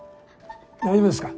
大丈夫ですか？